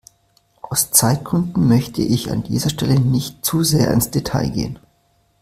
Aus Zeitgründen möchte ich an dieser Stelle nicht zu sehr ins Detail gehen.